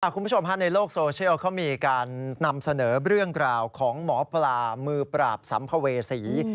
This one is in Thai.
คุณผู้ชมฮะในโลกโซเชียลเขามีการนำเสนอเรื่องราวของหมอปลามือปราบสัมภเวษี